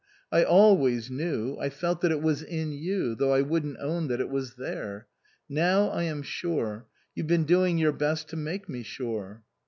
I always knew, I felt that it was in you, though I wouldn't own that it was there. Now I am sure. You've been doing your best to make me sure."